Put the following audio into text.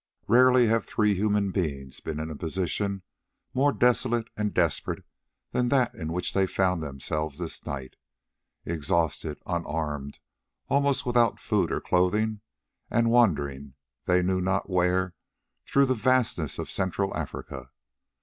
Rarely have three human beings been in a position more desolate and desperate than that in which they found themselves this night, exhausted, unarmed, almost without food or clothing, and wandering they knew not where through the vastness of Central Africa.